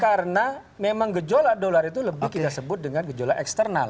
karena memang gejola dolar itu lebih kita sebut dengan gejola eksternal